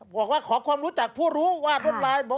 บอกว่าขอความรู้จักผู้รู้ว่าคนร้าย